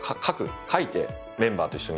書いてメンバーと一緒に話をすると。